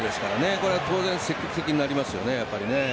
これ当然、積極的になりますよね、やっぱり。